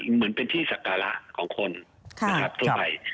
เหมือนเป็นที่ศักราะของคนทั่วไป